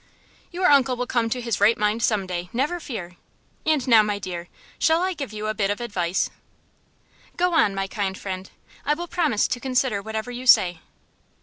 "Your uncle will come to his right mind some day, never fear! And now, my dear, shall I give you a bit of advice?" "Go on, my kind friend. I will promise to consider whatever you say."